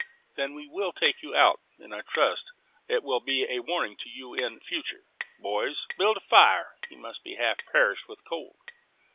"Then we will take you out; and I trust it will be a warning to you in future. Boys, build up a fire; he must be half perished with cold."